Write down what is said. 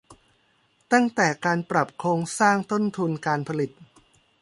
ตั้งแต่การปรับโครงสร้างต้นทุนการผลิต